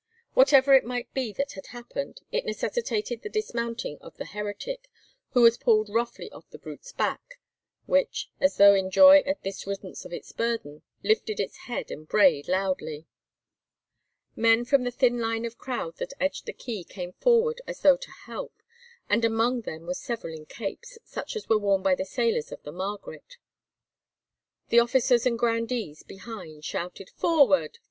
Whatever it might be that had happened, it necessitated the dismounting of the heretic, who was pulled roughly off the brute's back, which, as though in joy at this riddance of its burden, lifted its head and brayed loudly. Men from the thin line of crowd that edged the quay came forward as though to help, and among them were several in capes, such as were worn by the sailors of the Margaret. The officers and grandees behind shouted, "Forward!